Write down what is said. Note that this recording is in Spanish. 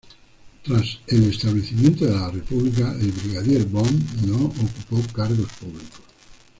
Tras el establecimiento de la República, el Brigadier Bonne no ocupó cargos públicos.